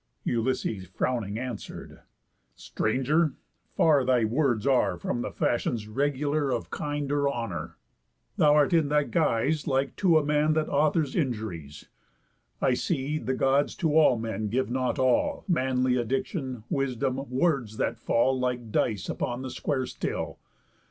Ulysses, frowning, answer'd: "Stranger, far Thy words are from the fashions regular Of kind, or honour. Thou art in thy guise Like to a man that authors injuries. I see, the Gods to all men give not all Manly addiction, wisdom, words that fall, Like dice, upon the square still.